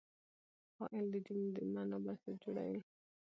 فاعل د جملې د معنی بنسټ جوړوي.